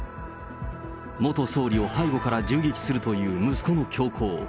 元総理を背後から銃撃するという息子の凶行。